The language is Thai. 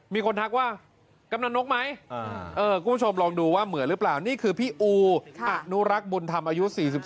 มีคนทักว่ากรรมนกดมัย